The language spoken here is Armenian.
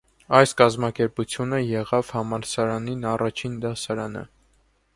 Այս կազմակերպութիւնը եղաւ համալսարանին առաջին դասարանը։